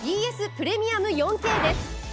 プレミアム４Ｋです。